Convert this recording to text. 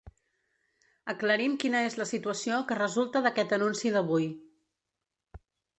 Aclarim quina és la situació que resulta d’aquest anunci d’avui.